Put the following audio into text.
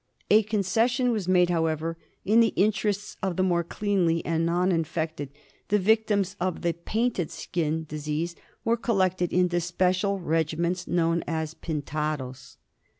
A concession was made, however, in the interests of the more cleanly and non infected, the victims of the painted skin disease were collected into special regiments known as pintados."